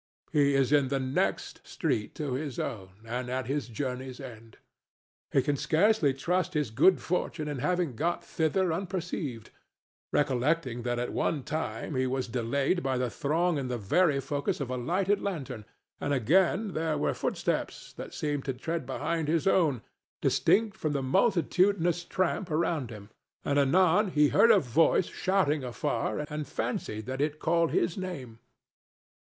He is in the next street to his own and at his journey's end. He can scarcely trust his good fortune in having got thither unperceived, recollecting that at one time he was delayed by the throng in the very focus of a lighted lantern, and again there were footsteps that seemed to tread behind his own, distinct from the multitudinous tramp around him, and anon he heard a voice shouting afar and fancied that it called his name.